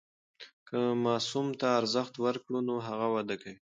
که ماسوم ته ارزښت ورکړو نو هغه وده کوي.